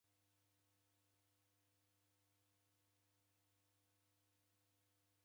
Mghosi wapo wanikotia nabonyagha chaghu chiao.